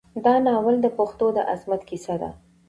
دا ناول د پښتنو د عظمت کیسه ده.